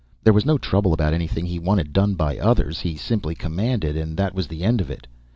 There was no trouble about anything he wanted done by others; he simply commanded, and that was the end of it.